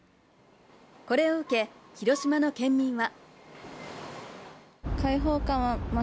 これを受け広島の県民は。